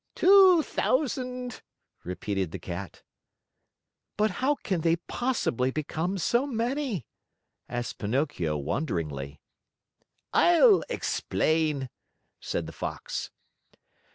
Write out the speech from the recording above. "Two thousand!" repeated the Cat. "But how can they possibly become so many?" asked Pinocchio wonderingly. "I'll explain," said the Fox.